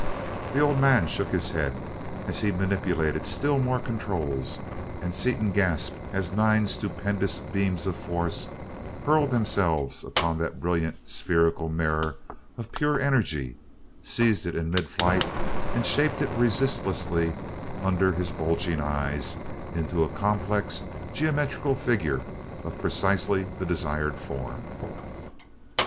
The old man shook his head as he manipulated still more controls, and Seaton gasped as nine stupendous beams of force hurled themselves upon that brilliant spherical mirror of pure energy, seized it in mid flight, and shaped it resistlessly, under his bulging eyes, into a complex geometrical figure of precisely the desired form.